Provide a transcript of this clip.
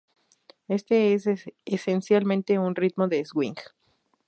Esto es esencialmente un ritmo de swing.